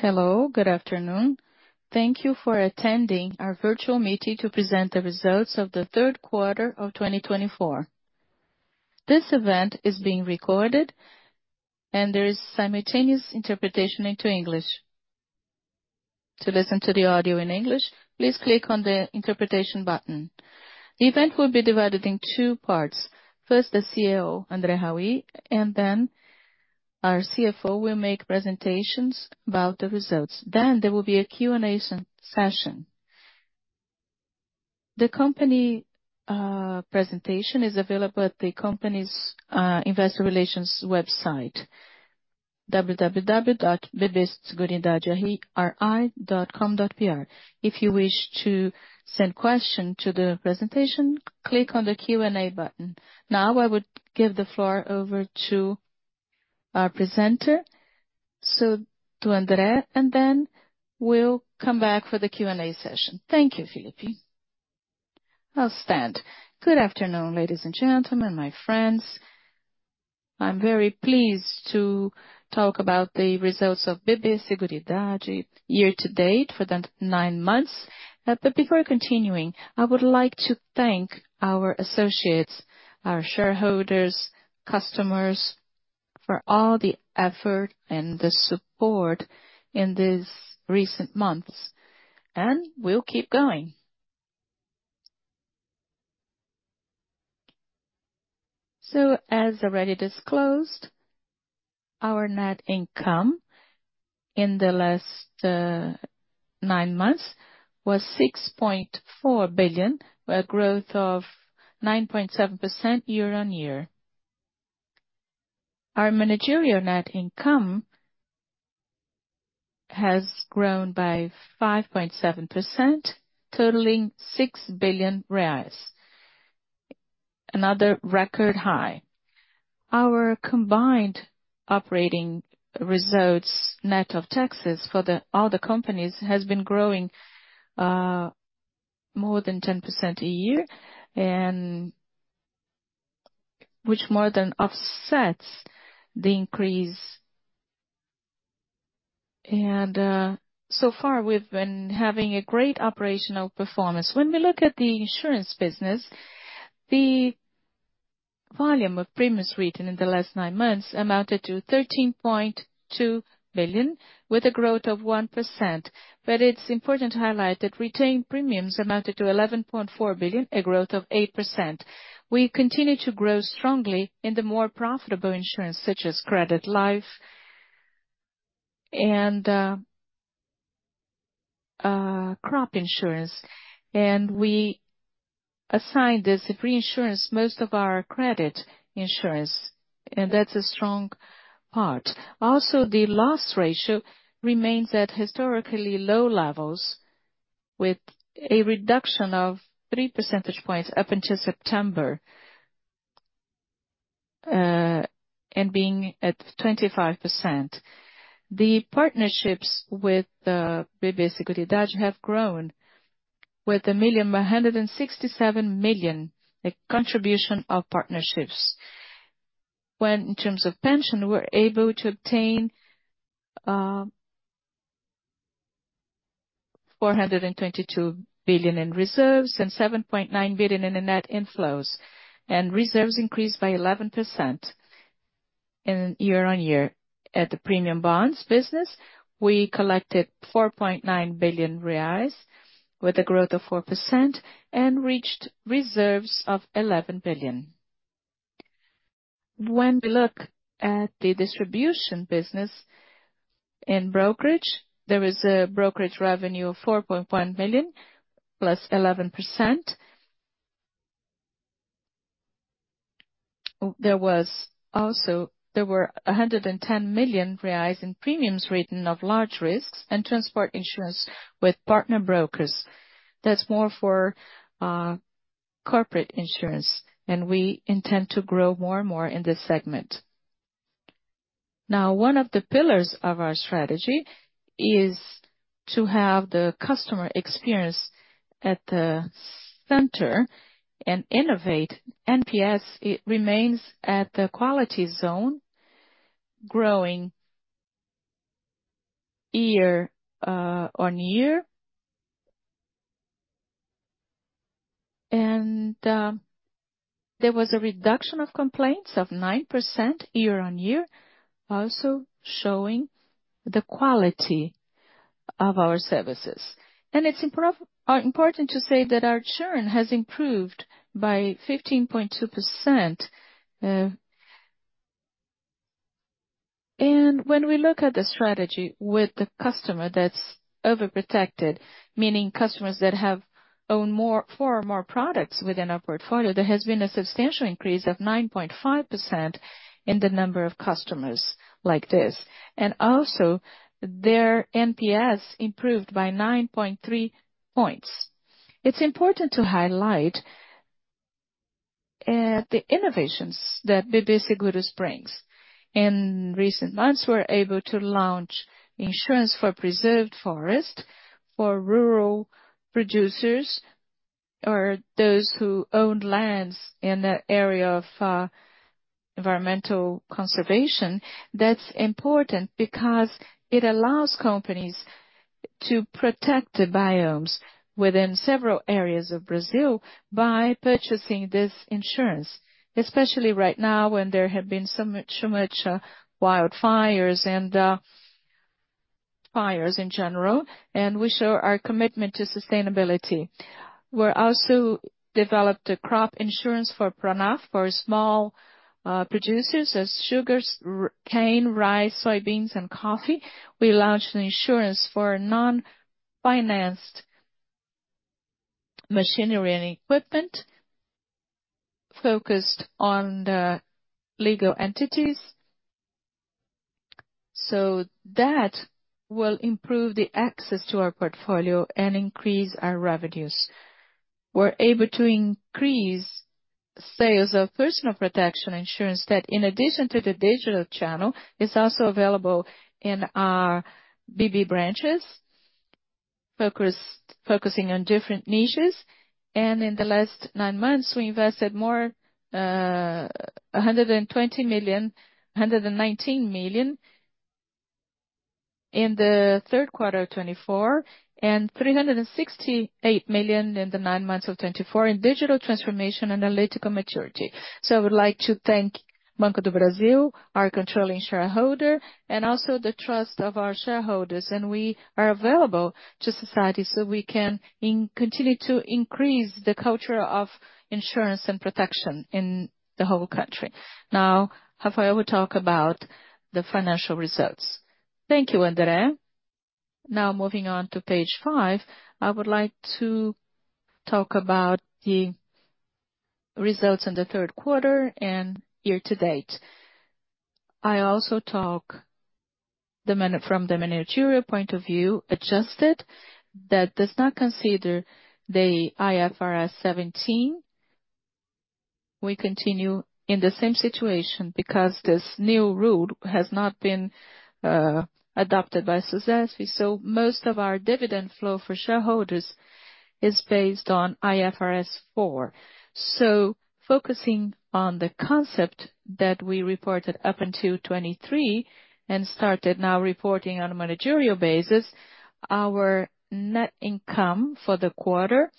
Hello, good afternoon. Thank you for attending our virtual meeting to present the results of the third quarter of 2024. This event is being recorded, and there is simultaneous interpretation into English. To listen to the audio in English, please click on the interpretation button. The event will be divided in two parts. First, the CEO, André Haui, and then our CFO will make presentations about the results. Then there will be a Q&A session. The company presentation is available at the company's investor relations website, ri.bbseguros.com.br. If you wish to send questions to the presentation, click on the Q&A button. Now, I would give the floor over to our presenter, so to André, and then we'll come back for the Q&A session. Thank you, Felipe. I'll stand. Good afternoon, ladies and gentlemen, my friends. I'm very pleased to talk about the results of BB Seguridade, year to date for the nine months. But before continuing, I would like to thank our associates, our shareholders, and customers for all the effort and the support in these recent months. And we'll keep going. So, as already disclosed, our net income in the last nine months was 6.4 billion, a growth of 9.7% year-on-year. Our managerial net income has grown by 5.7%, totaling 6 billion reais, another record high. Our combined operating results net of taxes for all the companies has been growing more than 10% a year, which more than offsets the increase. And so far, we've been having a great operational performance. When we look at the insurance business, the volume of premiums written in the last nine months amounted to 13.2 billion, with a growth of 1%. It's important to highlight that retained premiums amounted to 11.4 billion, a growth of 8%. We continue to grow strongly in the more profitable insurance, such as credit life and crop insurance. And we assigned this reinsurance most of our credit insurance, and that's a strong part. Also, the loss ratio remains at historically low levels, with a reduction of 3 percentage points up until September and being at 25%. The partnerships with BB Seguridade have grown with 1.167 billion, a contribution of partnerships. When in terms of pension, we're able to obtain 42.2 billion in reserves and 7.9 billion in net inflows, and reserves increased by 11% year-on-year. At the premium bonds business, we collected 4.9 billion reais, with a growth of 4%, and reached reserves of 11 billion. When we look at the distribution business in brokerage, there is a brokerage revenue of 4.1 billion plus 11%. There was also 110 million reais in premiums written of large risks and transport insurance with partner brokers. That's more for corporate insurance, and we intend to grow more and more in this segment. Now, one of the pillars of our strategy is to have the customer experience at the center and innovate. NPS remains at the quality zone, growing year-on-year, and there was a reduction of complaints of 9% year-on-year, also showing the quality of our services, and it's important to say that our churn has improved by 15.2%. When we look at the strategy with the customer that's overprotected, meaning customers that have owned four or more products within our portfolio, there has been a substantial increase of 9.5% in the number of customers like this. Also, their NPS improved by 9.3 points. It's important to highlight the innovations that BB Seguros brings. In recent months, we're able to launch insurance for preserved forests for rural producers or those who own lands in the area of environmental conservation. That's important because it allows companies to protect the biomes within several areas of Brazil by purchasing this insurance, especially right now when there have been so much wildfires and fires in general. We show our commitment to sustainability. We also developed a crop insurance for PRONAF for small producers such as sugarcane, rice, soybeans, and coffee. We launched insurance for non-financed machinery and equipment focused on legal entities. So that will improve the access to our portfolio and increase our revenues. We're able to increase sales of personal protection insurance that, in addition to the digital channel, is also available in our BB branches, focusing on different niches. And in the last nine months, we invested more 120 million, 119 million in the third quarter of 2024, and 368 million in the nine months of 2024 in digital transformation and analytical maturity. So I would like to thank Banco do Brasil, our controlling shareholder, and also the trust of our shareholders. And we are available to society so we can continue to increase the culture of insurance and protection in the whole country. Now, Rafael will talk about the financial results. Thank you, André. Now, moving on to page five, I would like to talk about the results in the third quarter and year to date. I also talk from the managerial point of view, adjusted, that does not consider the IFRS 17. We continue in the same situation because this new rule has not been adopted by SUSEP. So most of our dividend flow for shareholders is based on IFRS 4. So focusing on the concept that we reported up until 2023 and started now reporting on a managerial basis, our net income for the quarter,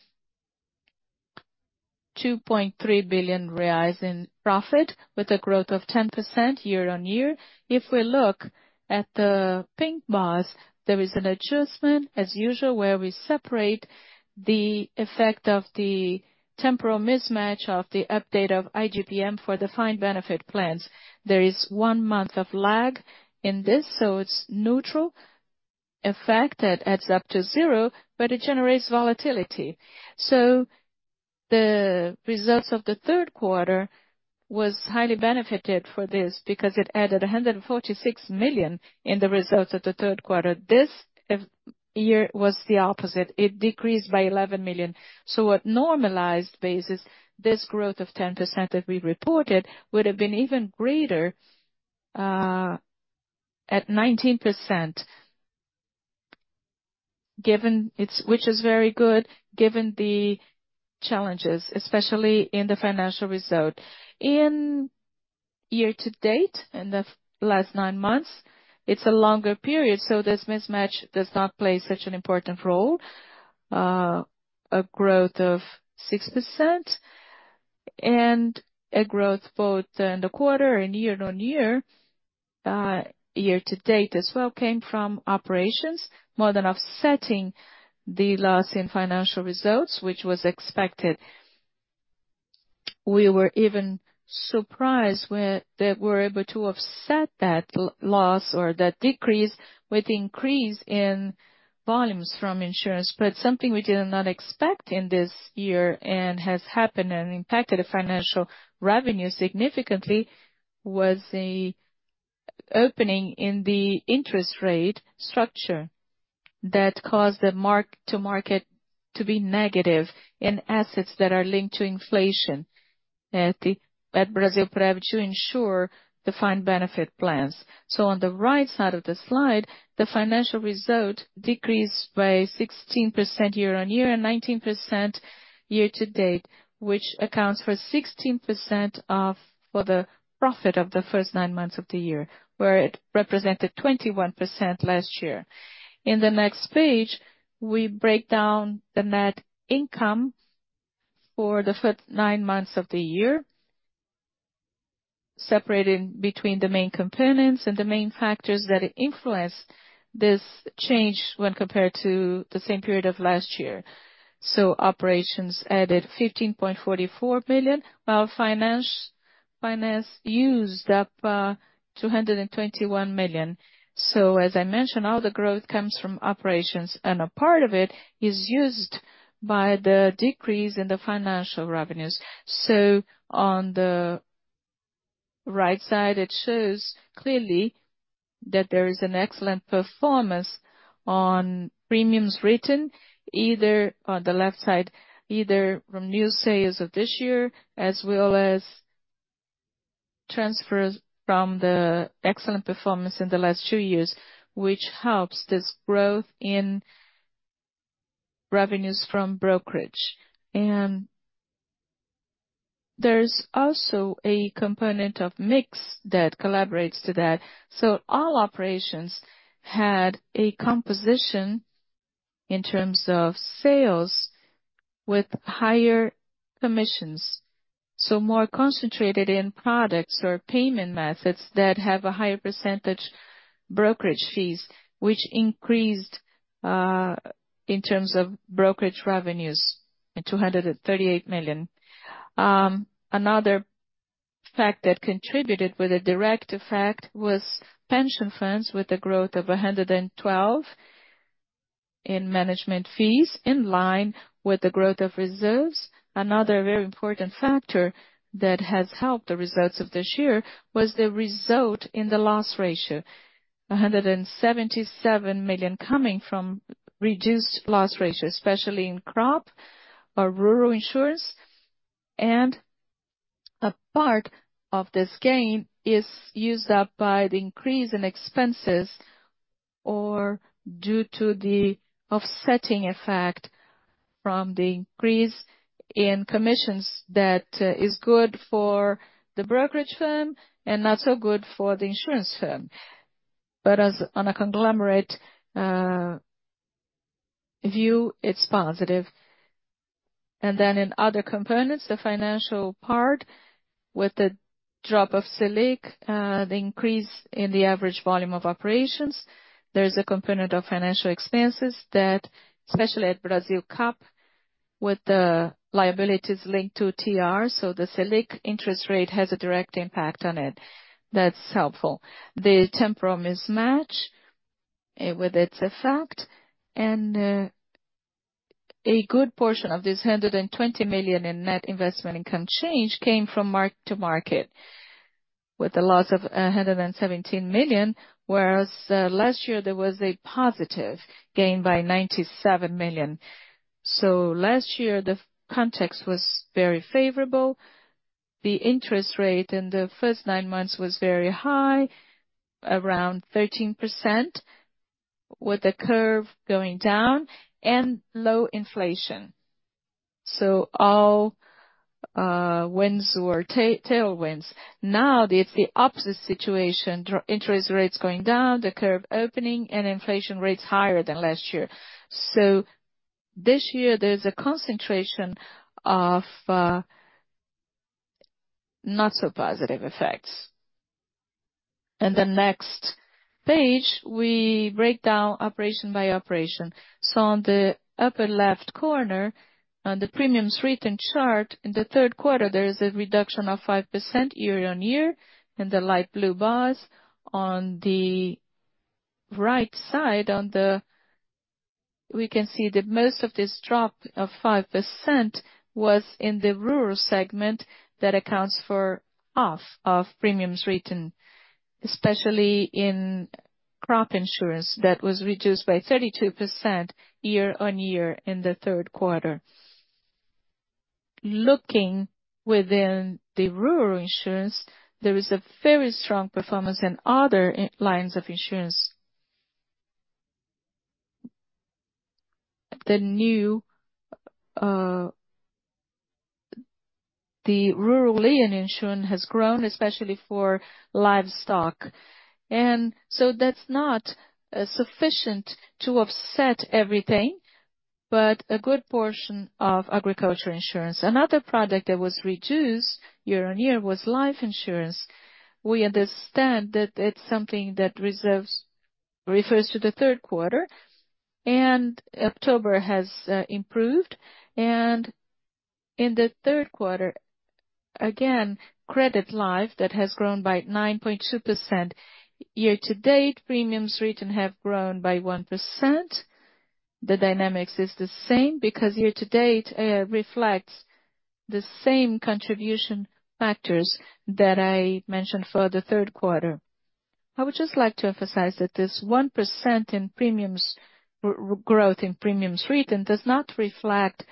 2.3 billion reais in profit with a growth of 10% year-on-year. If we look at the pink bars, there is an adjustment as usual where we separate the effect of the temporal mismatch of the update of IGPM for the defined benefit plans. There is one month of lag in this, so it's neutral effect that adds up to zero, but it generates volatility. So the results of the third quarter were highly benefited for this because it added 146 million in the results of the third quarter. This year was the opposite. It decreased by 11 million. So at normalized basis, this growth of 10% that we reported would have been even greater at 19%, which is very good given the challenges, especially in the financial result. In year to date, in the last nine months, it's a longer period, so this mismatch does not play such an important role. A growth of 6% and a growth both in the quarter and year-on-year, year to date as well, came from operations, more than offsetting the loss in financial results, which was expected. We were even surprised that we were able to offset that loss or that decrease with the increase in volumes from insurance. But something we did not expect in this year and has happened and impacted the financial revenue significantly was the opening in the interest rate structure that caused the mark-to-market to be negative in assets that are linked to inflation at Brasilprev to ensure the VGBL and PGBL benefit plans. So on the right side of the slide, the financial result decreased by 16% year-on-year and 19% year to date, which accounts for 16% of the profit of the first nine months of the year, where it represented 21% last year. In the next page, we break down the net income for the first nine months of the year, separating between the main components and the main factors that influenced this change when compared to the same period of last year. So operations added 15.44 billion, while finance used up 221 million. So as I mentioned, all the growth comes from operations, and a part of it is used by the decrease in the financial revenues. So on the right side, it shows clearly that there is an excellent performance on premiums written, either on the left side, either from new sales of this year as well as transfers from the excellent performance in the last two years, which helps this growth in revenues from brokerage. And there's also a component of mix that collaborates to that. So all operations had a composition in terms of sales with higher commissions, so more concentrated in products or payment methods that have a higher percentage brokerage fees, which increased in terms of brokerage revenues at 238 million. Another fact that contributed with a direct effect was pension funds with a growth of 112 in management fees in line with the growth of reserves. Another very important factor that has helped the results of this year was the result in the loss ratio, 177 million coming from reduced loss ratio, especially in crop or rural insurance. And a part of this gain is used up by the increase in expenses or due to the offsetting effect from the increase in commissions that is good for the brokerage firm and not so good for the insurance firm. But on a conglomerate view, it's positive. Then in other components, the financial part with the drop of SELIC, the increase in the average volume of operations, there's a component of financial expenses that, especially at Brasilcap, with the liabilities linked to TR, so the SELIC interest rate has a direct impact on it. That's helpful. The temporal mismatch with its effect and a good portion of this 120 million in net investment income change came from mark-to-market with the loss of 117 million, whereas last year there was a positive gain by 97 million. Last year, the context was very favorable. The interest rate in the first nine months was very high, around 13%, with the curve going down and low inflation. All wins were tailwinds. Now it's the opposite situation. Interest rates going down, the curve opening, and inflation rates higher than last year. This year, there's a concentration of not so positive effects. On the next page, we break down operation by operation. On the upper left corner, on the premiums written chart, in the third quarter, there is a reduction of 5% year-on-year in the light blue bars. On the right side, we can see that most of this drop of 5% was in the rural segment that accounts for half of premiums written, especially in crop insurance that was reduced by 32% year-on-year in the third quarter. Looking within the rural insurance, there is a very strong performance in other lines of insurance. The rural lien insurance has grown, especially for livestock. And that's not sufficient to offset everything, but a good portion of agriculture insurance. Another product that was reduced year-on-year was life insurance. We understand that it's something that refers to the third quarter, and October has improved, and in the third quarter, again, credit life that has grown by 9.2%. Year to date, premiums written have grown by 1%. The dynamics is the same because year to date reflects the same contribution factors that I mentioned for the third quarter. I would just like to emphasize that this 1% in premiums growth in premiums written does not reflect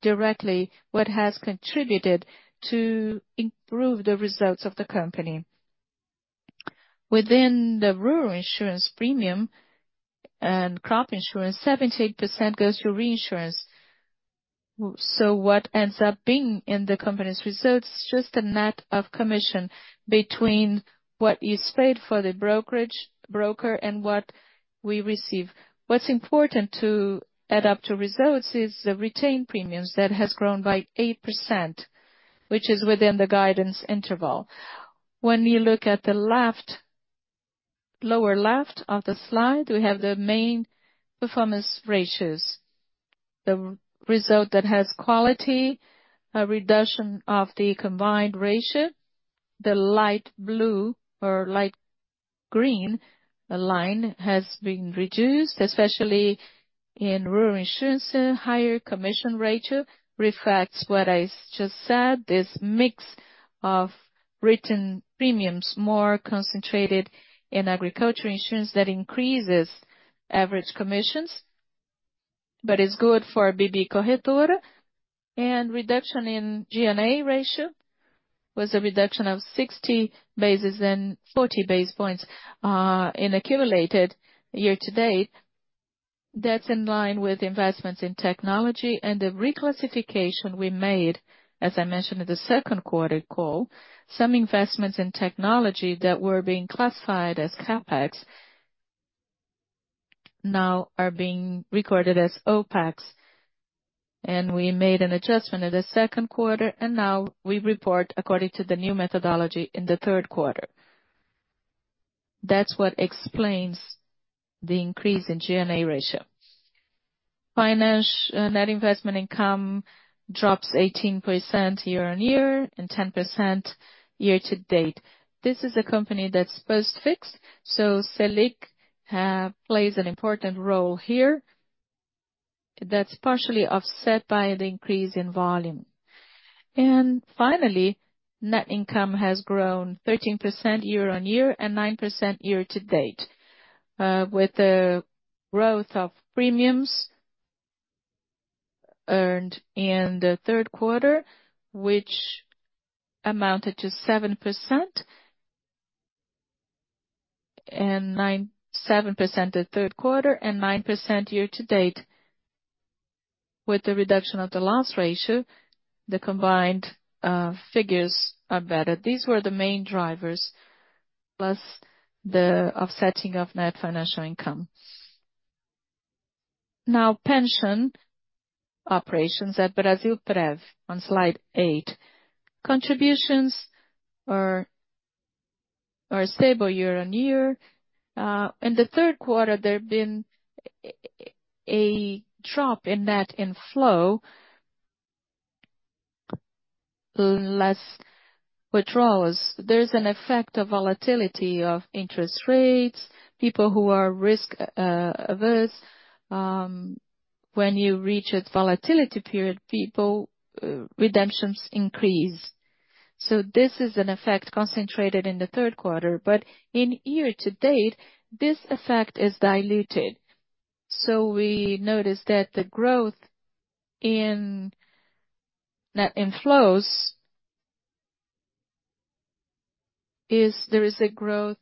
directly what has contributed to improve the results of the company. Within the rural insurance premium and crop insurance, 78% goes to reinsurance. So what ends up being in the company's results is just a net of commission between what is paid for the broker and what we receive. What's important to add up to results is the retained premiums that has grown by 8%, which is within the guidance interval. When you look at the lower left of the slide, we have the main performance ratios. The result that has quality, a reduction of the combined ratio. The light blue or light green line has been reduced, especially in rural insurance. Higher commission ratio reflects what I just said, this mix of written premiums, more concentrated in agriculture insurance that increases average commissions, but it's good for BB Corretora. And reduction in G&A ratio was a reduction of 60 basis points and 40 basis points in accumulated year to date. That's in line with investments in technology and the reclassification we made, as I mentioned in the second quarter call, some investments in technology that were being classified as CapEx now are being recorded as OpEx. And we made an adjustment in the second quarter, and now we report according to the new methodology in the third quarter. That's what explains the increase in G&A ratio. Net investment income drops 18% year-on-year and 10% year to date. This is a company that's post-fixed, so SELIC plays an important role here that's partially offset by the increase in volume. Finally, net income has grown 13% year-on-year and 9% year to date with the growth of premiums earned in the third quarter, which amounted to 7% and 9% the third quarter and 9% year to date. With the reduction of the loss ratio, the combined figures are better. These were the main drivers plus the offsetting of net financial income. Now, pension operations at Brasilprev on slide 8. Contributions are stable year-on-year. In the third quarter, there has been a drop in net inflow, less withdrawals. There's an effect of volatility of interest rates. People who are risk averse, when you reach a volatility period, redemptions increase, so this is an effect concentrated in the third quarter, but in year to date, this effect is diluted. We noticed that the growth in net inflows is there; there is a growth.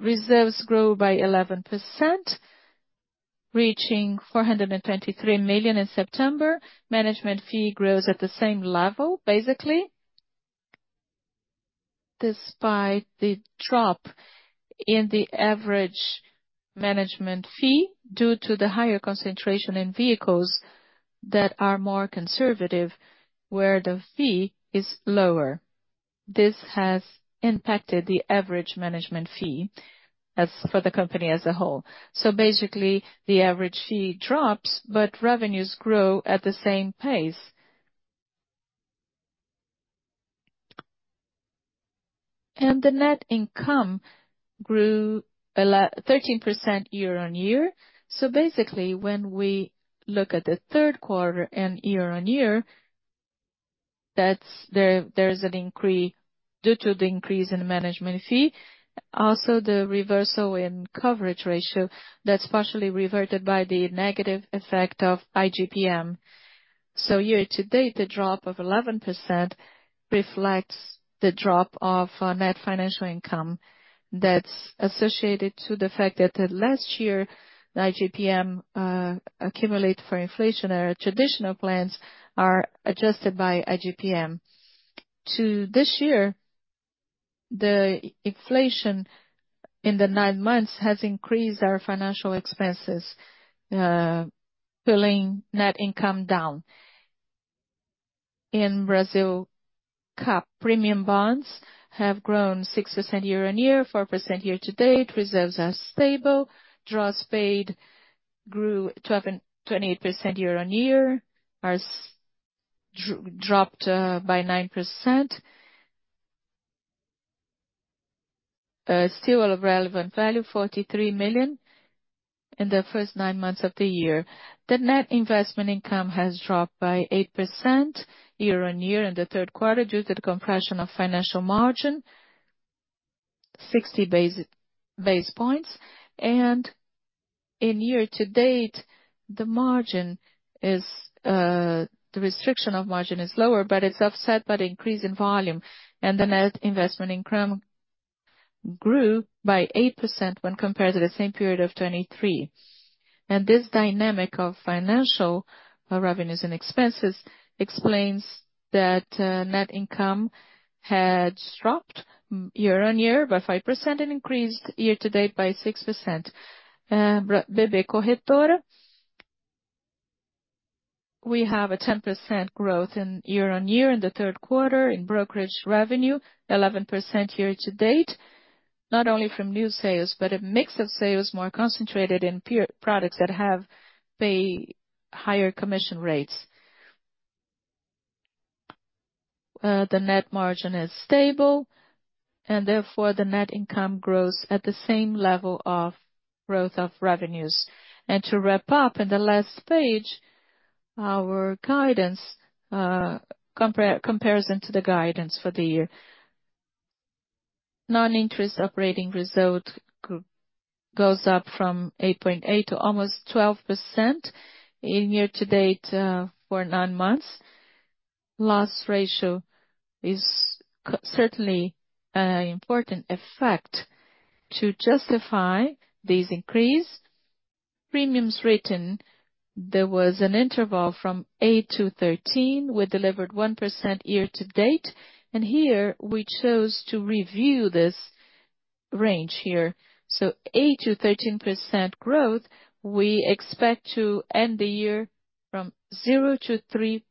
Reserves grow by 11%, reaching 423 million in September. Management fee grows at the same level, basically, despite the drop in the average management fee due to the higher concentration in vehicles that are more conservative, where the fee is lower. This has impacted the average management fee for the company as a whole. So basically, the average fee drops, but revenues grow at the same pace, and the net income grew 13% year-on-year. Basically, when we look at the third quarter and year-on-year, there's an increase due to the increase in management fee. Also, the reversal in coverage ratio that's partially reverted by the negative effect of IGPM. So year to date, the drop of 11% reflects the drop of net financial income that's associated to the fact that last year, the IGPM accumulated for inflationary traditional plans are adjusted by IGPM. To this year, the inflation in the nine months has increased our financial expenses, pulling net income down. In Brasilcap, premium bonds have grown 6% year-on-year, 4% year to date. Reserves are stable. Draws paid grew 28% year-on-year, dropped by 9%. Still a relevant value, 43 million in the first nine months of the year. The net investment income has dropped by 8% year-on-year in the third quarter due to the compression of financial margin, 60 base points. In year to date, the restriction of margin is lower, but it's offset by the increase in volume. The net investment income grew by 8% when compared to the same period of 2023. This dynamic of financial revenues and expenses explains that net income had dropped year-on-year by 5% and increased year to date by 6%. BB Corretora, we have a 10% growth in year-on-year in the third quarter in brokerage revenue, 11% year to date, not only from new sales, but a mix of sales more concentrated in products that have higher commission rates. The net margin is stable, and therefore, the net income grows at the same level of growth of revenues. To wrap up in the last page, our comparison to the guidance for the year. Non-interest operating result goes up from 8.8% to almost 12% in year to date for nine months. Loss ratio is certainly an important effect to justify these increases. Premiums written, there was an interval from 8%-13% with delivered 1% year to date. And here, we chose to review this range here. So 8%-13% growth, we expect to end the year from 0%-3%.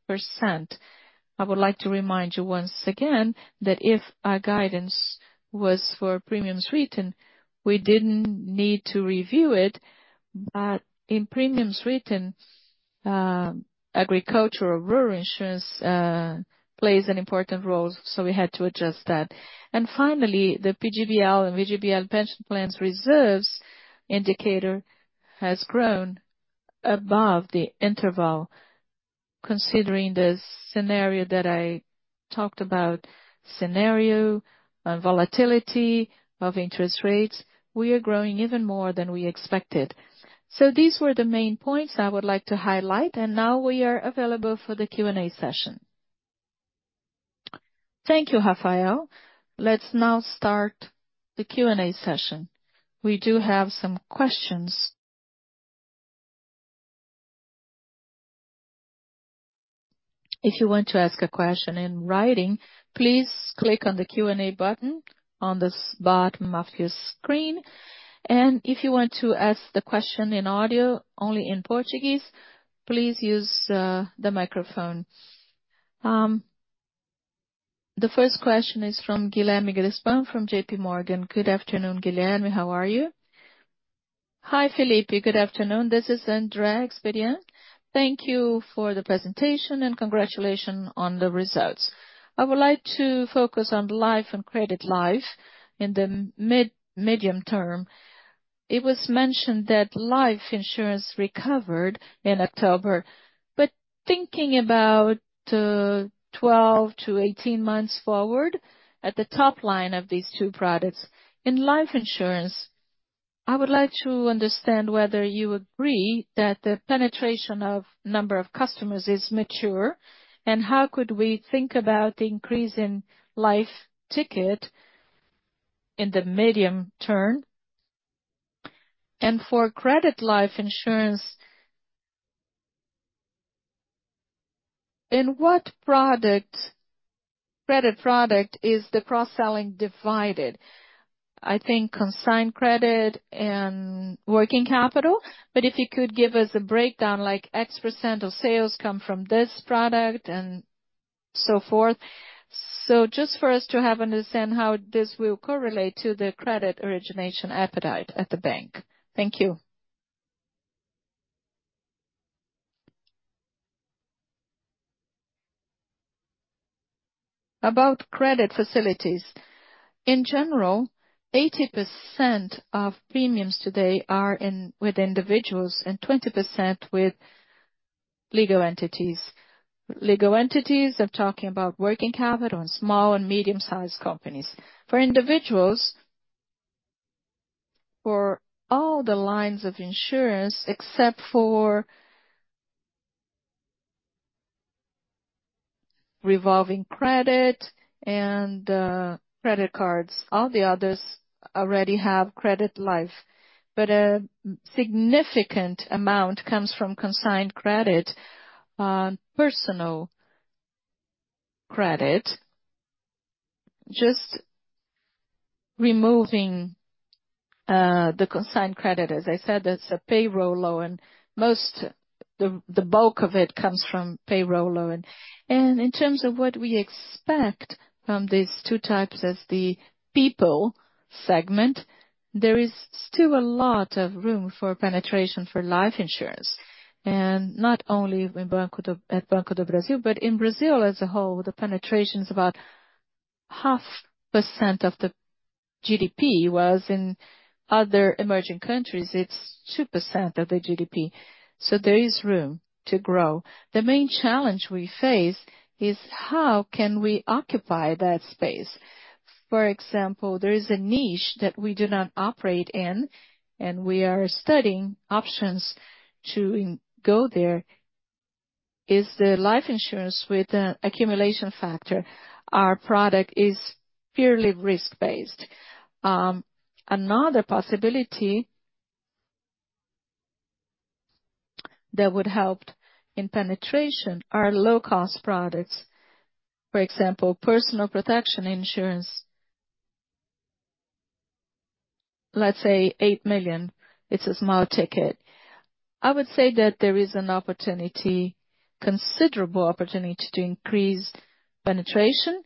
I would like to remind you once again that if our guidance was for premiums written, we didn't need to review it. But in premiums written, agriculture or rural insurance plays an important role, so we had to adjust that. And finally, the PGBL and VGBL pension plans reserves indicator has grown above the interval. Considering the scenario that I talked about, scenario on volatility of interest rates, we are growing even more than we expected. So these were the main points I would like to highlight, and now we are available for the Q&A session. Thank you, Rafael. Let's now start the Q&A session. We do have some questions. If you want to ask a question in writing, please click on the Q&A button on the bottom of your screen. And if you want to ask the question in audio only in Portuguese, please use the microphone. The first question is from Guilherme Grespan from JPMorgan. Good afternoon, Guilherme. How are you? Hi, Felipe. Good afternoon. This is an area of expertise. Thank you for the presentation and congratulations on the results. I would like to focus on life and credit life in the medium term. It was mentioned that life insurance recovered in October, but thinking about 12-18 months forward at the top line of these two products. In life insurance, I would like to understand whether you agree that the penetration of number of customers is mature and how could we think about the increase in life ticket in the medium term. And for credit life insurance, in what credit product is the cross-selling divided? I think consigned credit and working capital, but if you could give us a breakdown like X% of sales come from this product and so forth. So just for us to have an understanding how this will correlate to the credit origination appetite at the bank. Thank you. About credit facilities, in general, 80% of premiums today are with individuals and 20% with legal entities. Legal entities are talking about working capital and small and medium-sized companies. For individuals, for all the lines of insurance except for revolving credit and credit cards, all the others already have credit life. But a significant amount comes from consigned credit, personal credit. Just removing the consigned credit, as I said, that's a payroll loan. Most of the bulk of it comes from payroll loan. And in terms of what we expect from these two types as the people segment, there is still a lot of room for penetration for life insurance. And not only at Banco do Brasil, but in Brazil as a whole, the penetration is about 0.5% of the GDP. Whereas in other emerging countries, it's 2% of the GDP. So there is room to grow. The main challenge we face is how can we occupy that space. For example, there is a niche that we do not operate in, and we are studying options to go there. Is the life insurance with an accumulation factor? Our product is purely risk-based. Another possibility that would help in penetration are low-cost products. For example, personal protection insurance, let's say 8 million, it's a small ticket. I would say that there is an opportunity, considerable opportunity to increase penetration.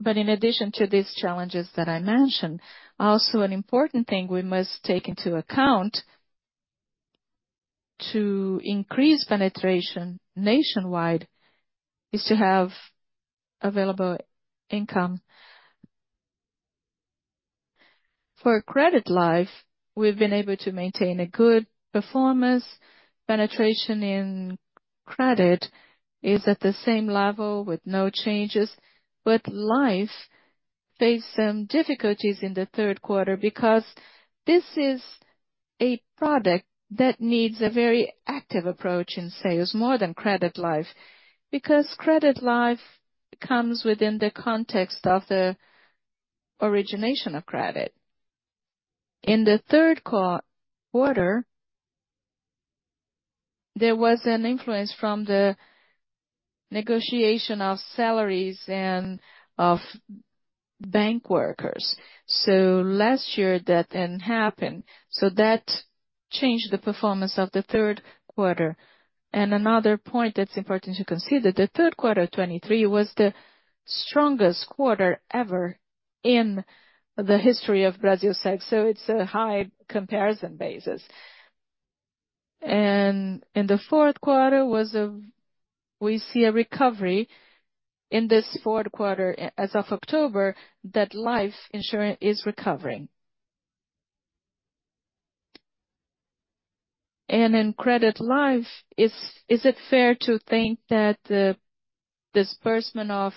But in addition to these challenges that I mentioned, also an important thing we must take into account to increase penetration nationwide is to have available income. For credit life, we've been able to maintain a good performance. Penetration in credit is at the same level with no changes. But life faced some difficulties in the third quarter because this is a product that needs a very active approach in sales, more than credit life, because credit life comes within the context of the origination of credit. In the third quarter, there was an influence from the negotiation of salaries and of bank workers. So last year, that didn't happen. That changed the performance of the third quarter. And another point that's important to consider, the third quarter of 2023 was the strongest quarter ever in the history of BB Seguridade. So it's a high comparison basis. And in the fourth quarter, we see a recovery in this fourth quarter as of October that life insurance is recovering. And in credit life, is it fair to think that the disbursement of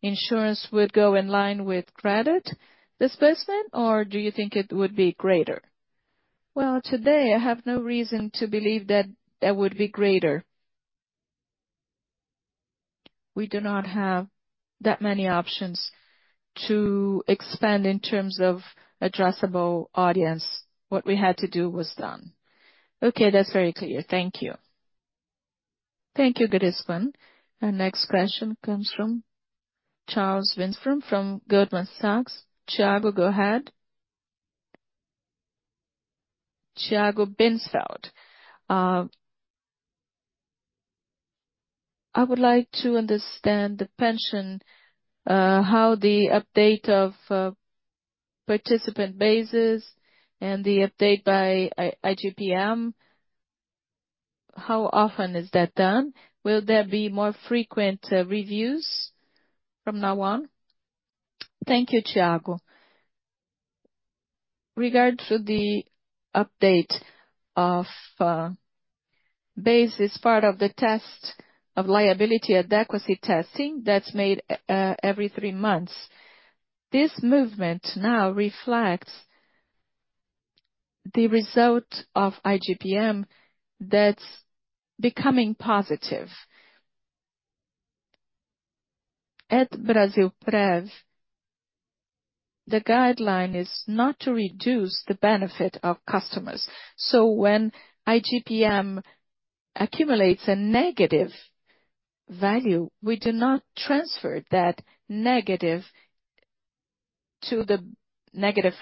insurance would go in line with credit disbursement, or do you think it would be greater? Well, today, I have no reason to believe that that would be greater. We do not have that many options to expand in terms of addressable audience. What we had to do was done. Okay, that's very clear. Thank you. Thank you, Grespan. Our next question comes from Charles Winsborne from Goldman Sachs. Tiago, go ahead. Tiago Binsfeld. I would like to understand the pension, how the update of participant bases and the update by IGPM, how often is that done? Will there be more frequent reviews from now on? Thank you, Tiago. Regarding the update of bases, it's part of the test of Liability Adequacy Testing that's made every three months. This movement now reflects the result of IGPM that's becoming positive. At Brasilprev, the guideline is not to reduce the benefit of customers. So when IGPM accumulates a negative value, we do not transfer that negative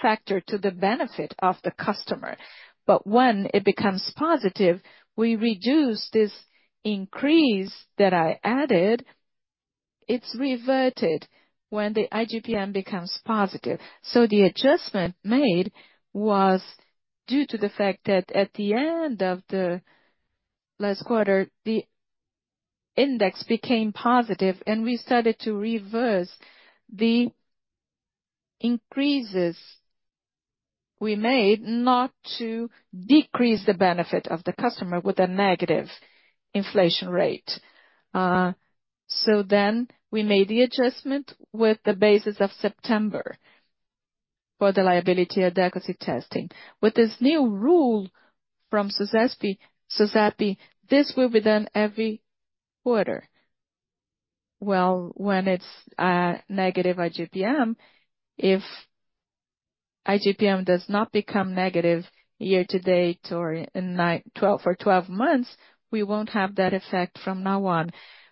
factor to the benefit of the customer. But when it becomes positive, we reduce this increase that I added. It's reverted when the IGPM becomes positive. The adjustment made was due to the fact that at the end of the last quarter, the index became positive, and we started to reverse the increases we made not to decrease the benefit of the customer with a negative inflation rate. Then we made the adjustment with the basis of September for the liability adequacy testing. With this new rule from SUSEP, this will be done every quarter. When it's negative IGPM, if IGPM does not become negative year to date or in 12 or 12 months, we won't have that effect from now on.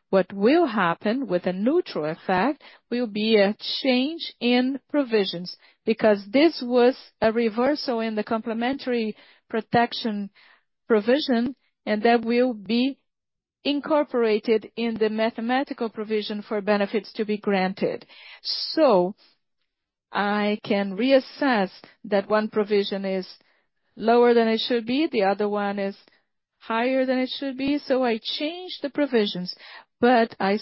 What will happen with a neutral effect will be a change in provisions because this was a reversal in the complementary protection provision, and that will be incorporated in the mathematical provision for benefits to be granted. I can reassess that one provision is lower than it should be. The other one is higher than it should be. So I changed the provisions, but I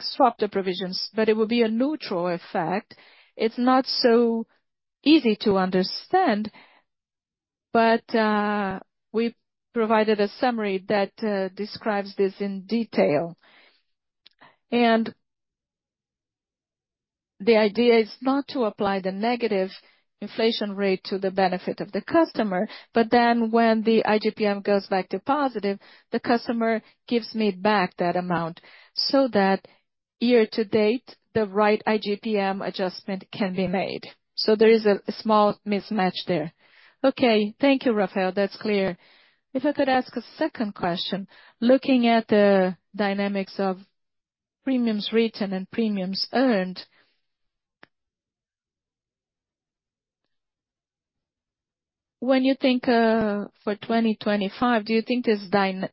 swapped the provisions, but it will be a neutral effect. It's not so easy to understand, but we provided a summary that describes this in detail, and the idea is not to apply the negative inflation rate to the benefit of the customer, but then when the IGPM goes back to positive, the customer gives me back that amount so that year to date, the right IGPM adjustment can be made, so there is a small mismatch there. Okay, thank you, Rafael. That's clear. If I could ask a second question, looking at the dynamics of premiums written and premiums earned, when you think for 2025, do you think this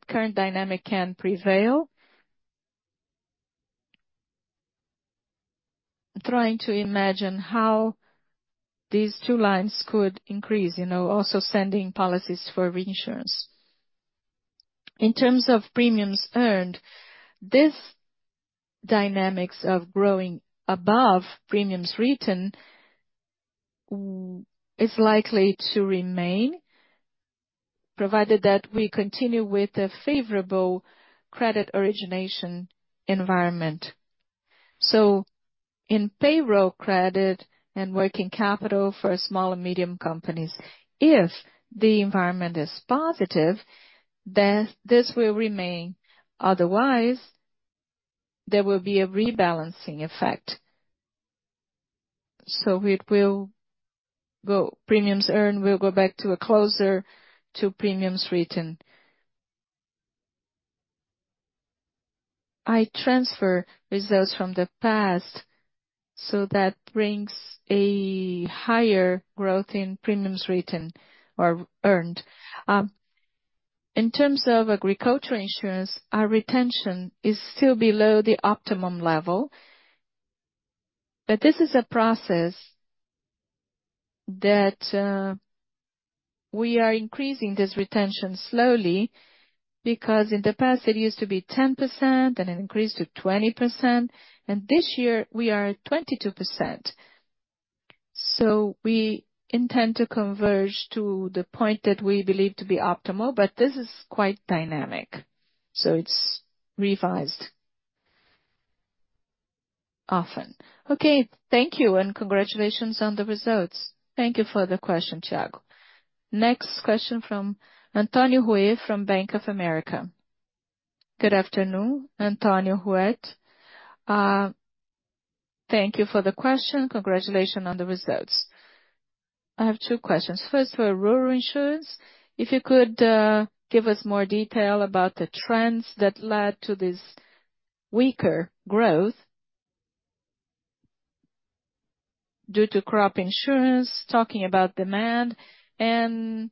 current dynamic can prevail? Trying to imagine how these two lines could increase, also sending policies for reinsurance. In terms of premiums earned, this dynamics of growing above premiums written is likely to remain, provided that we continue with a favorable credit origination environment, so in payroll credit and working capital for small and medium companies, if the environment is positive, this will remain. Otherwise, there will be a rebalancing effect, so premiums earned will go back to a closer to premiums written. It transfers results from the past, so that brings a higher growth in premiums written or earned. In terms of agriculture insurance, our retention is still below the optimum level, but this is a process that we are increasing this retention slowly because in the past, it used to be 10% and it increased to 20%, and this year, we are at 22%, so we intend to converge to the point that we believe to be optimal, but this is quite dynamic. So it's revised often. Okay, thank you, and congratulations on the results. Thank you for the question, Tiago. Next question from Antonio Ruher from Bank of America. Good afternoon, Antonio Ruher. Thank you for the question. Congratulations on the results. I have two questions. First, for rural insurance, if you could give us more detail about the trends that led to this weaker growth due to crop insurance, talking about demand and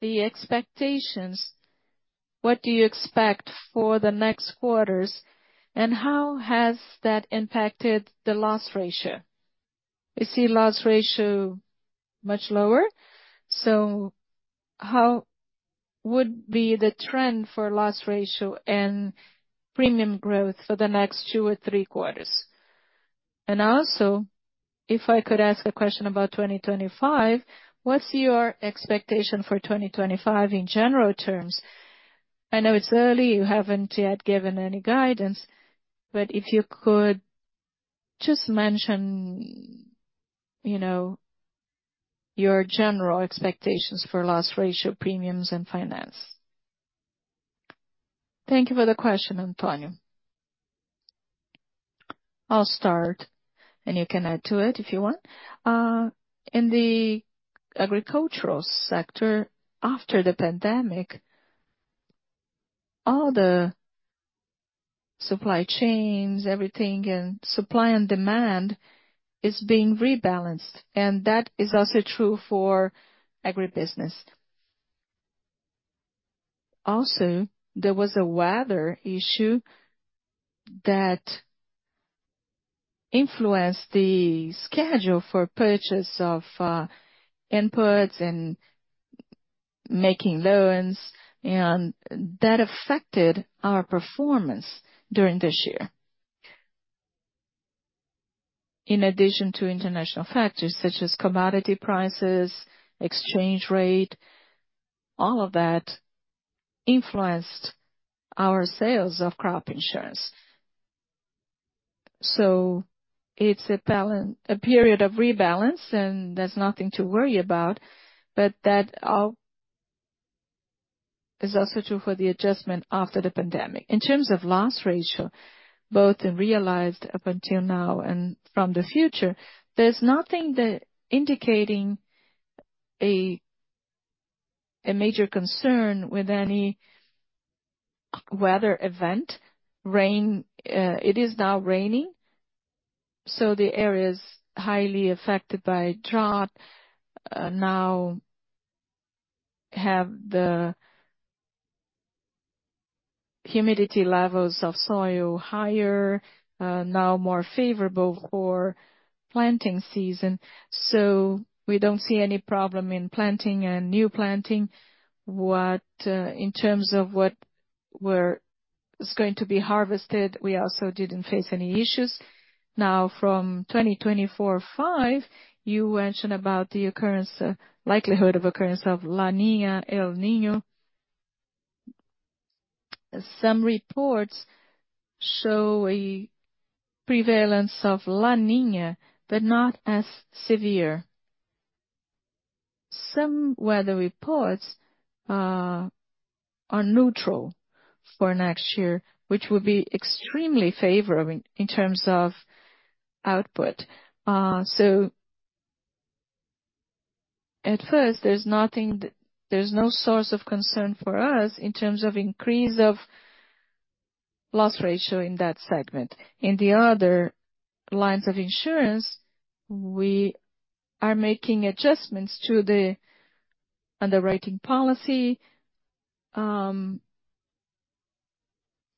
the expectations. What do you expect for the next quarters, and how has that impacted the loss ratio? We see loss ratio much lower. So how would be the trend for loss ratio and premium growth for the next two or three quarters? And also, if I could ask a question about 2025, what's your expectation for 2025 in general terms? I know it's early. You haven't yet given any guidance, but if you could just mention your general expectations for loss ratio, premiums, and finance? Thank you for the question, Antonio. I'll start, and you can add to it if you want. In the agricultural sector, after the pandemic, all the supply chains, everything, and supply and demand is being rebalanced, and that is also true for agribusiness. Also, there was a weather issue that influenced the schedule for purchase of inputs and making loans, and that affected our performance during this year. In addition to international factors such as commodity prices, exchange rate, all of that influenced our sales of crop insurance, so it's a period of rebalance, and there's nothing to worry about, but that is also true for the adjustment after the pandemic. In terms of loss ratio, both realized up until now and from the future, there's nothing indicating a major concern with any weather event. It is now raining, so the areas highly affected by drought now have the humidity levels of soil higher, now more favorable for planting season. We don't see any problem in planting and new planting. In terms of what was going to be harvested, we also didn't face any issues. Now, from 2024-2025, you mentioned about the likelihood of occurrence of La Niña, El Niño. Some reports show a prevalence of La Niña, but not as severe. Some weather reports are neutral for next year, which would be extremely favorable in terms of output. At first, there's no source of concern for us in terms of increase of loss ratio in that segment. In the other lines of insurance, we are making adjustments to the underwriting policy.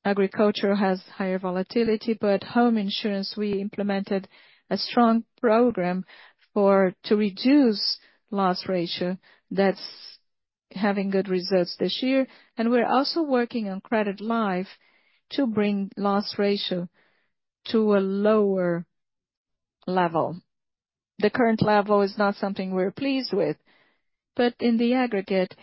Agriculture has higher volatility, but home insurance, we implemented a strong program to reduce loss ratio that's having good results this year, and we're also working on credit life to bring loss ratio to a lower level. The current level is not something we're pleased with, but in the aggregate,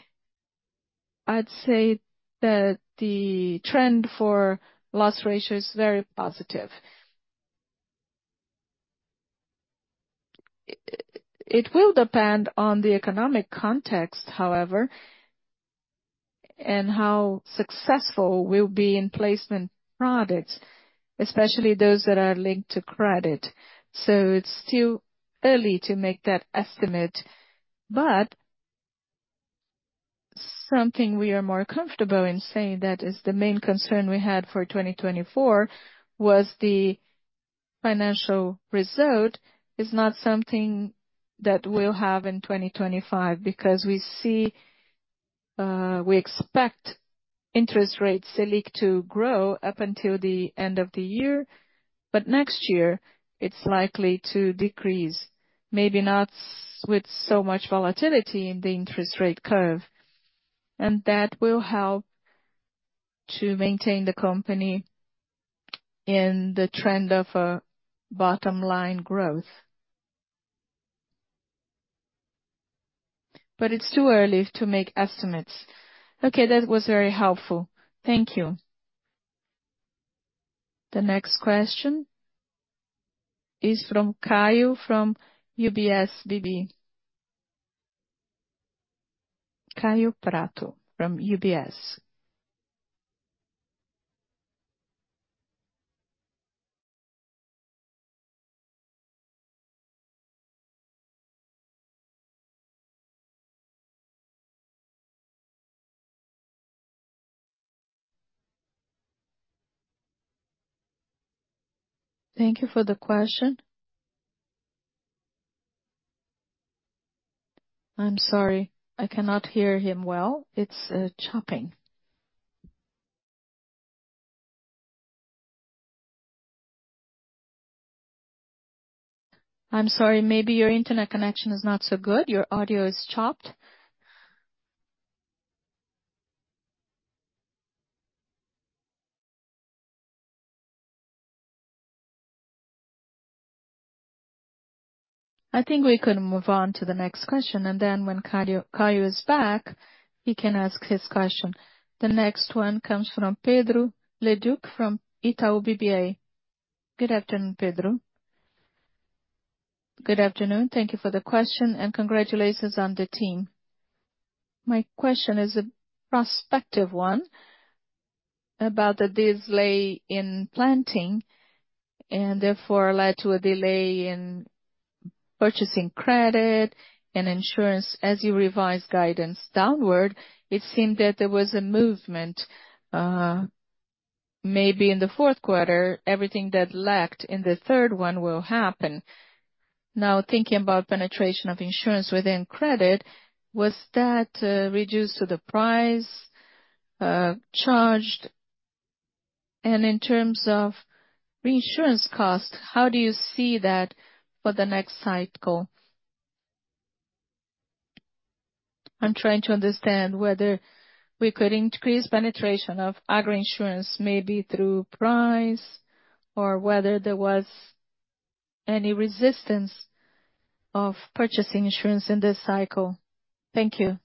I'd say that the trend for loss ratio is very positive. It will depend on the economic context, however, and how successful will be in placement products, especially those that are linked to credit, so it's still early to make that estimate, but something we are more comfortable in saying that is the main concern we had for 2024 was the financial result is not something that we'll have in 2025 because we expect interest rates to go up until the end of the year. But next year, it's likely to decrease, maybe not with so much volatility in the interest rate curve. And that will help to maintain the company in the trend of a bottom line growth. But it's too early to make estimates. Okay, that was very helpful. Thank you. The next question is from Kaio Prato from UBS BB. Kaio Prato from UBS BB. Thank you for the question. I'm sorry, I cannot hear him well. It's chopping. I'm sorry, maybe your internet connection is not so good. Your audio is chopped. I think we can move on to the next question. And then when Kaio is back, he can ask his question. The next one comes from Pedro Leduc from Itaú BBA. Good afternoon, Pedro. Good afternoon. Thank you for the question, and congratulations on the team. My question is a prospective one about the delay in planting and therefore led to a delay in purchasing credit and insurance as you revise guidance downward. It seemed that there was a movement maybe in the fourth quarter. Everything that lacked in the third one will happen. Now, thinking about penetration of insurance within credit, was that reduced to the price charged? And in terms of reinsurance cost, how do you see that for the next cycle? I'm trying to understand whether we could increase penetration of agroinsurance maybe through price or whether there was any resistance of purchasing insurance in this cycle. Thank you.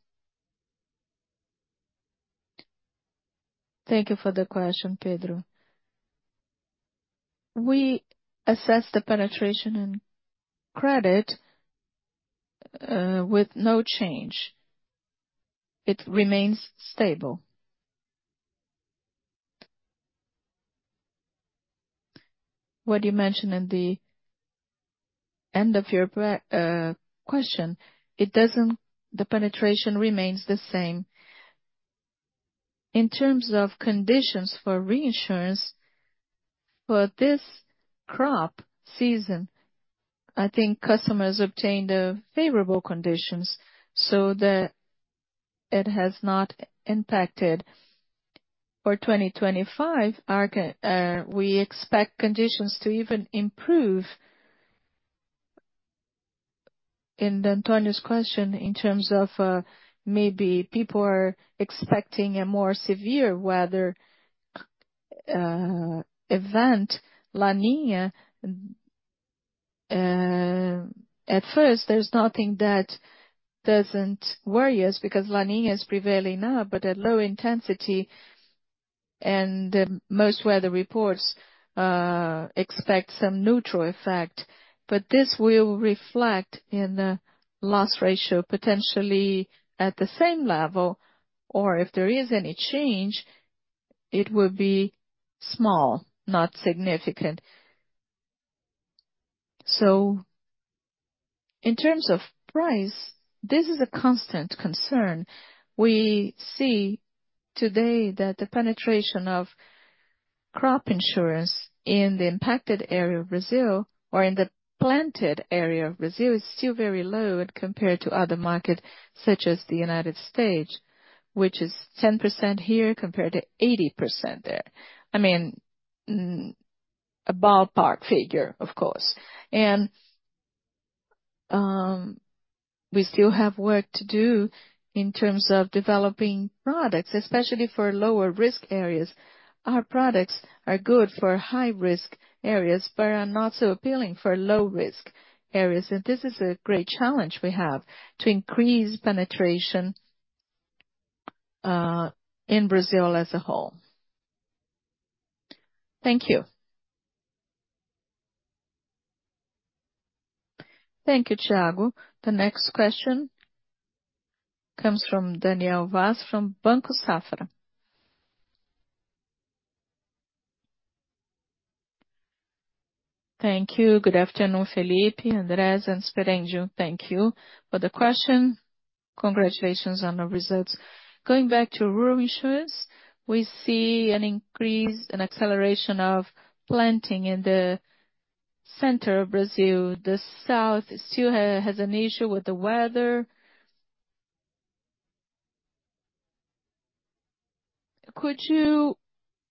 Thank you for the question, Pedro. We assessed the penetration in credit with no change. It remains stable. What you mentioned in the end of your question, the penetration remains the same. In terms of conditions for reinsurance for this crop season, I think customers obtained favorable conditions so that it has not impacted. For 2025, we expect conditions to even improve. In Antonio's question, in terms of maybe people are expecting a more severe weather event, La Niña, at first, there's nothing that doesn't worry us because La Niña is prevailing now, but at low intensity and most weather reports expect some neutral effect. But this will reflect in the loss ratio potentially at the same level, or if there is any change, it will be small, not significant. So in terms of price, this is a constant concern. We see today that the penetration of crop insurance in the impacted area of Brazil or in the planted area of Brazil is still very low compared to other markets such as the United States, which is 10% here compared to 80% there. I mean, a ballpark figure, of course, and we still have work to do in terms of developing products, especially for lower risk areas. Our products are good for high-risk areas but are not so appealing for low-risk areas, and this is a great challenge we have to increase penetration in Brazil as a whole. Thank you. Thank you, Thiago. The next question comes from Daniel Vaz from Banco Safra. Thank you. Good afternoon, Felipe, André, and Sperenio. Thank you for the question. Congratulations on the results. Going back to rural insurance, we see an increase and acceleration of planting in the center of Brazil. The South still has an issue with the weather. Could you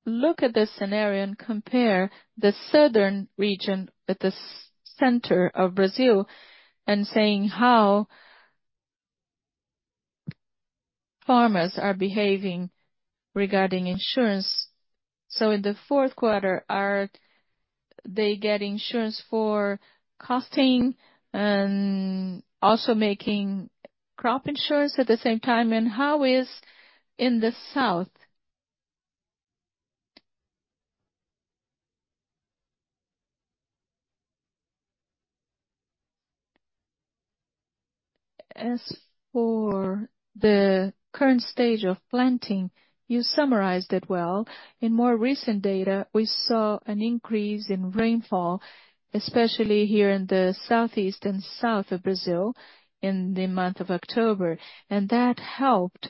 look at the scenario and compare the southern region with the Center-West of Brazil and say how farmers are behaving regarding insurance? In the fourth quarter, are they getting insurance for custeio and also making crop insurance at the same time? And how is it in the South? As for the current stage of planting, you summarized it well. In more recent data, we saw an increase in rainfall, especially here in the Southeast and South of Brazil in the month of October. That helped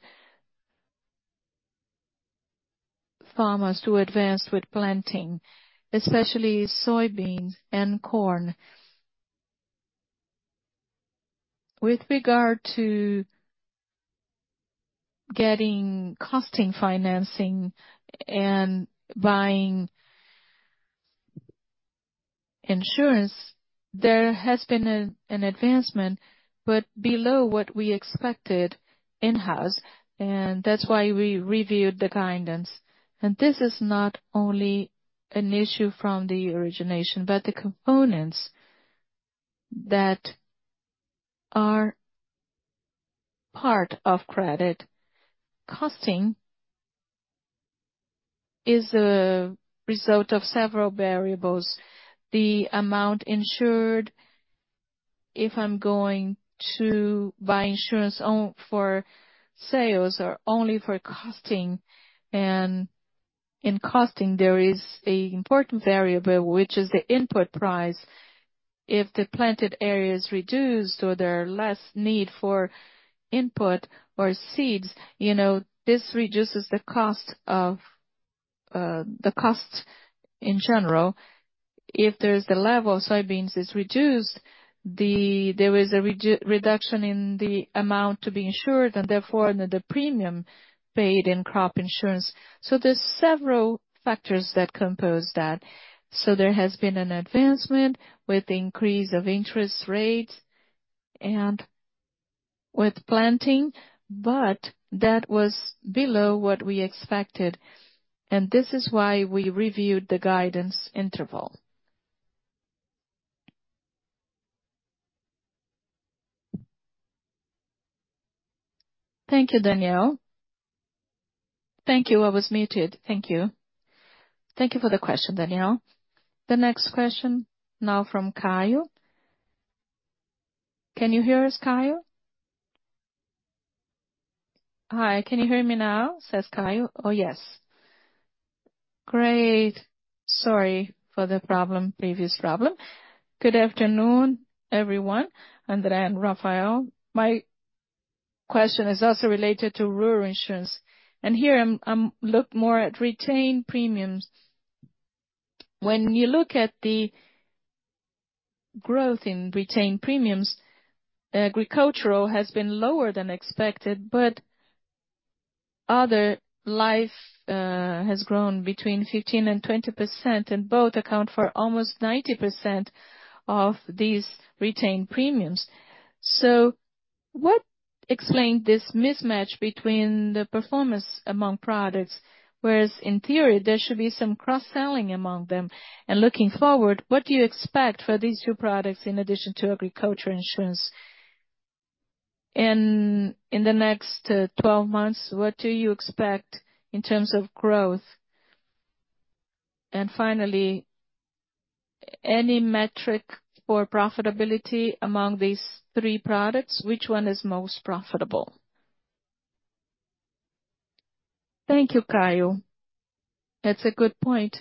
farmers to advance with planting, especially soybeans and corn. With regard to getting custeio financing and buying insurance, there has been an advancement, but below what we expected in-house. That's why we reviewed the guidance. This is not only an issue from the origination, but the components that are part of credit costing is a result of several variables. The amount insured, if I'm going to buy insurance for sales or only for costing, and in costing, there is an important variable, which is the input price. If the planted area is reduced or there is less need for input or seeds, this reduces the cost of the cost in general. If there is the level of soybeans is reduced, there is a reduction in the amount to be insured, and therefore, the premium paid in crop insurance. There are several factors that compose that. There has been an advancement with the increase of interest rates and with planting, but that was below what we expected. This is why we reviewed the guidance interval. Thank you, Daniel. Thank you. I was muted. Thank you. Thank you for the question, Daniel. The next question now from Kaio. Can you hear us, Kaio? Hi. Can you hear me now? Says Kaio. Oh, yes. Great. Sorry for the previous problem. Good afternoon, everyone, André and Rafael. My question is also related to rural insurance. And here, I'm looking more at retained premiums. When you look at the growth in retained premiums, agricultural has been lower than expected, but other life has grown between 15 and 20%, and both account for almost 90% of these retained premiums. So what explained this mismatch between the performance among products, whereas in theory, there should be some cross-selling among them? And looking forward, what do you expect for these two products in addition to agriculture insurance? And in the next 12 months, what do you expect in terms of growth? Finally, any metric for profitability among these three products, which one is most profitable? Thank you, Kaio. That's a good point.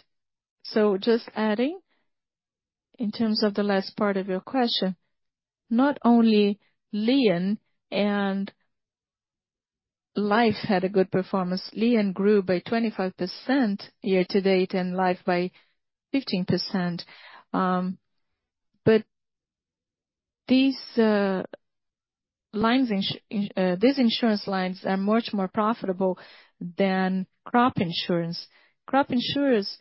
Just adding, in terms of the last part of your question, not only Lien and Life had a good performance. Lien grew by 25% year to date and Life by 15%. These insurance lines are much more profitable than crop insurance. Crop insurance,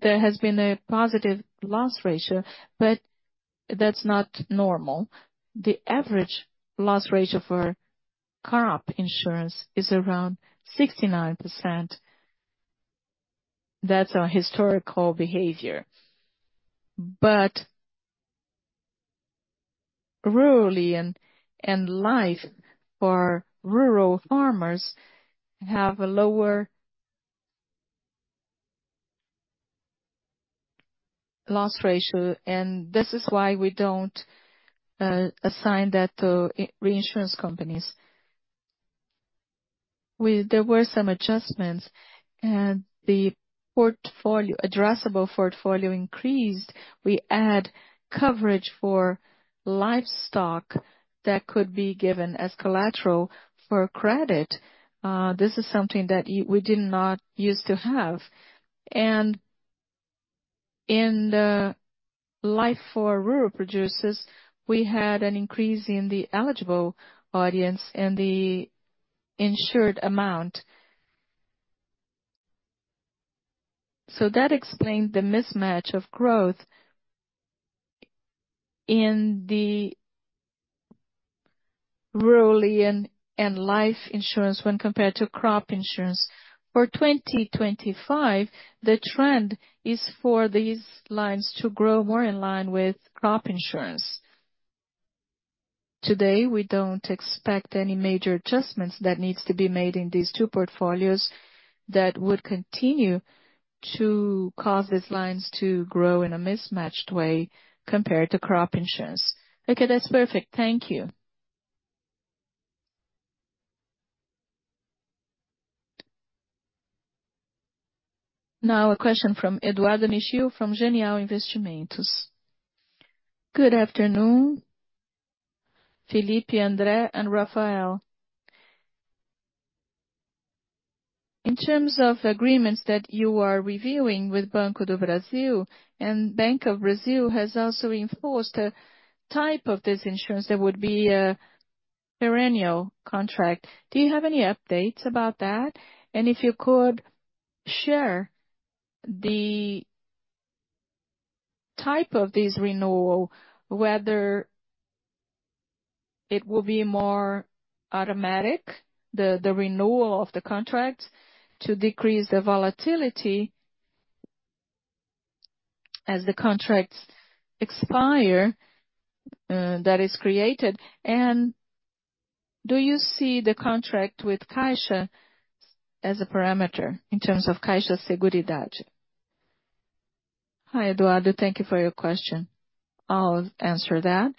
there has been a positive loss ratio, but that's not normal. The average loss ratio for crop insurance is around 69%. That's a historical behavior. Rural and Life for rural farmers have a lower loss ratio, and this is why we don't assign that to reinsurance companies. There were some adjustments, and the addressable portfolio increased. We add coverage for livestock that could be given as collateral for credit. This is something that we did not used to have. In Life for rural producers, we had an increase in the eligible audience and the insured amount. So that explained the mismatch of growth in the rural and Life insurance when compared to crop insurance. For 2025, the trend is for these lines to grow more in line with crop insurance. Today, we don't expect any major adjustments that need to be made in these two portfolios that would continue to cause these lines to grow in a mismatched way compared to crop insurance. Okay, that's perfect. Thank you. Now, a question from Eduardo Nishio from Genial Investimentos. Good afternoon, Felipe, André, and Rafael. In terms of agreements that you are reviewing with Banco do Brasil, and Banco do Brasil has also enforced a type of this insurance that would be a perennial contract. Do you have any updates about that? If you could share the type of this renewal, whether it will be more automatic, the renewal of the contracts to decrease the volatility as the contracts expire that is created. Do you see the contract with Caixa as a parameter in terms of Caixa Seguridade? Hi, Eduardo. Thank you for your question. I'll answer that.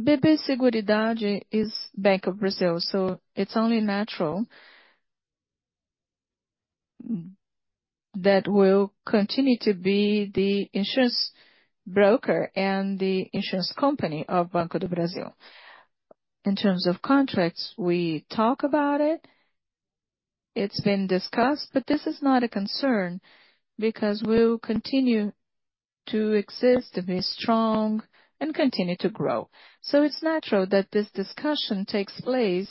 BB Seguridade is Banco do Brasil, so it's only natural that we'll continue to be the insurance broker and the insurance company of Banco do Brasil. In terms of contracts, we talk about it. It's been discussed, but this is not a concern because we'll continue to exist, to be strong, and continue to grow. It's natural that this discussion takes place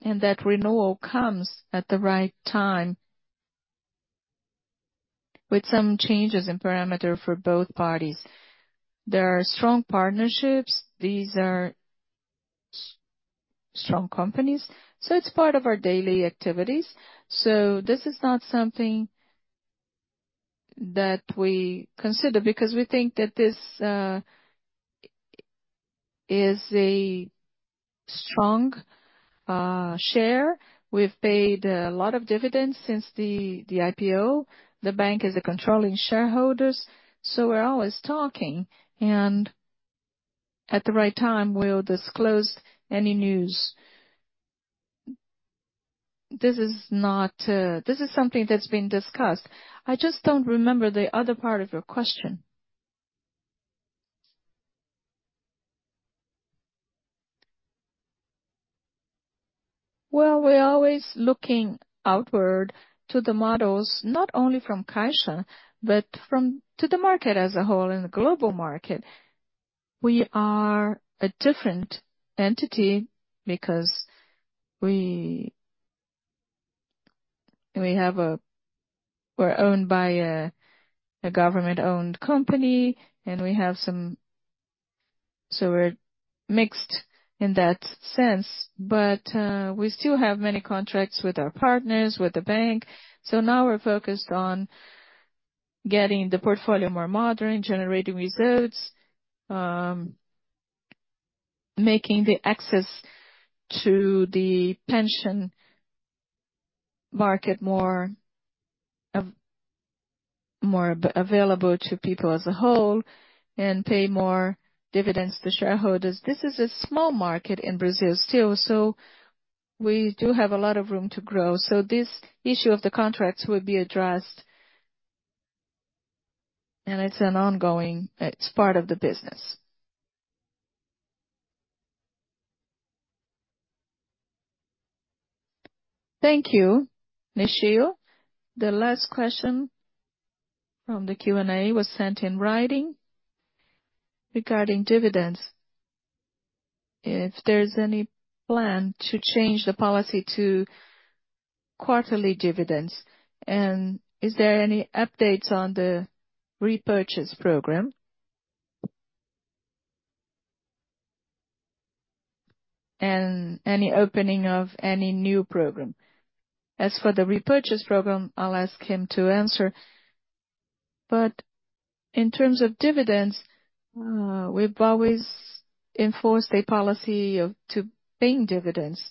and that renewal comes at the right time with some changes in parameters for both parties. There are strong partnerships. These are strong companies. It's part of our daily activities. This is not something that we consider because we think that this is a strong share. We've paid a lot of dividends since the IPO. The bank is a controlling shareholders, so we're always talking, and at the right time, we'll disclose any news. This is something that's been discussed. I just don't remember the other part of your question. We're always looking outward to the models, not only from Caixa, but to the market as a whole and the global market. We are a different entity because we're owned by a government-owned company, and we have some. We're mixed in that sense, but we still have many contracts with our partners, with the bank. So now we're focused on getting the portfolio more modern, generating results, making the access to the pension market more available to people as a whole, and pay more dividends to shareholders. This is a small market in Brazil still, so we do have a lot of room to grow. So this issue of the contracts would be addressed, and it's an ongoing part of the business. Thank you, Nishio. The last question from the Q&A was sent in writing regarding dividends. If there's any plan to change the policy to quarterly dividends, and is there any updates on the repurchase program and any opening of any new program? As for the repurchase program, I'll ask him to answer. But in terms of dividends, we've always enforced a policy of paying dividends.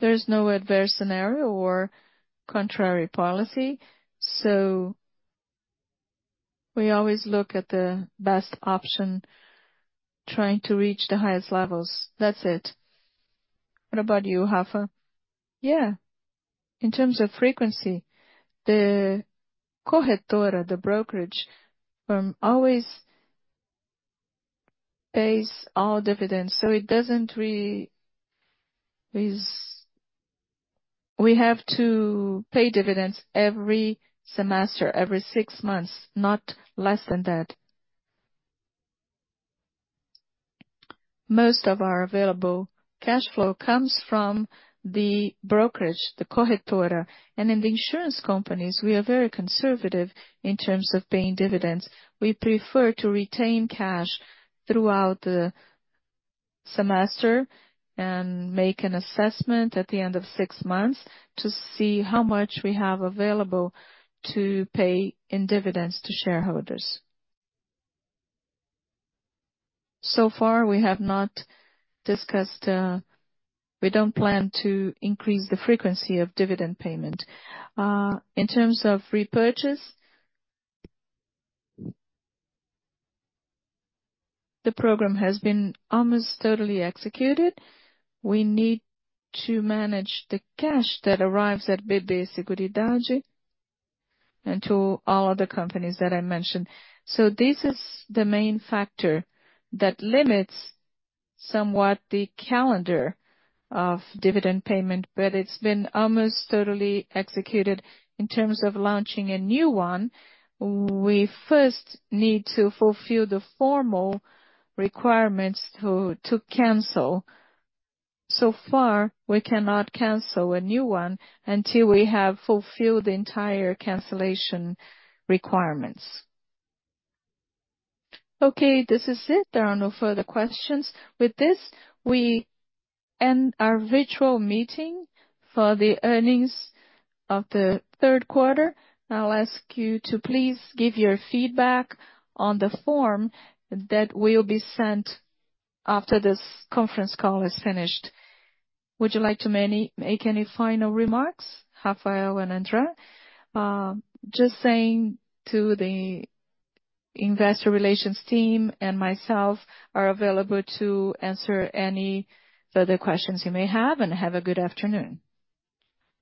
There's no adverse scenario or contrary policy, so we always look at the best option, trying to reach the highest levels. That's it. What about you, Rafa? Yeah. In terms of frequency, the corretora, the brokerage firm, always pays all dividends, so it doesn't really. We have to pay dividends every semester, every six months, not less than that. Most of our available cash flow comes from the brokerage, the corretora, and in the insurance companies, we are very conservative in terms of paying dividends. We prefer to retain cash throughout the semester and make an assessment at the end of six months to see how much we have available to pay in dividends to shareholders, so far we have not discussed. We don't plan to increase the frequency of dividend payment. In terms of repurchase, the program has been almost totally executed. We need to manage the cash that arrives at BB Seguridade and to all other companies that I mentioned. So this is the main factor that limits somewhat the calendar of dividend payment, but it's been almost totally executed. In terms of launching a new one, we first need to fulfill the formal requirements to cancel. So far, we cannot cancel a new one until we have fulfilled the entire cancellation requirements. Okay, this is it. There are no further questions. With this, we end our virtual meeting for the earnings of the third quarter. I'll ask you to please give your feedback on the form that will be sent after this conference call is finished. Would you like to make any final remarks, Rafael and André? Just saying to the investor relations team and myself, we are available to answer any further questions you may have, and have a good afternoon.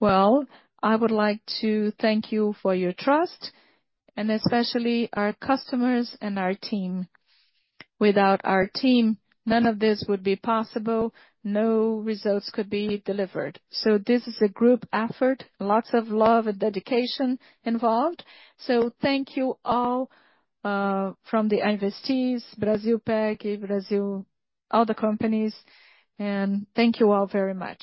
I would like to thank you for your trust, and especially our customers and our team. Without our team, none of this would be possible. No results could be delivered. So this is a group effort, lots of love and dedication involved. So thank you all from the investors, Brasilprev, and Brasilcap, all the companies. Thank you all very much.